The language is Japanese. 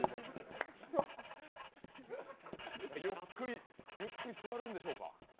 ゆっくり、ゆっくり座るんでしょうか？